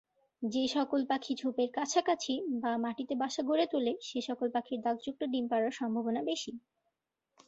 যে সকল পাখি ঝোপের কাছাকাছি বা মাটিতে বাসা গড়ে তুলে, সে সকল পাখির দাগযুক্ত ডিম পাড়ার সম্ভাবনা বেশি।